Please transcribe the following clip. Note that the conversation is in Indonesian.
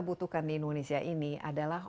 butuhkan di indonesia ini adalah